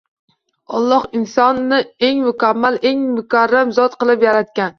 Olloh insonni eng mukammal, eng mukarram zot qilib yaratgan.